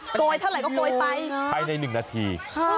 กลอยเท่าไหร่ก็กลอยไปนะครับลงนะครับไปใน๑นาที